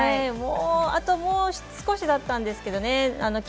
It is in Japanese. あともう少しだったんですけどね。